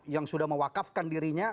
yang sudah mewakafkan dirinya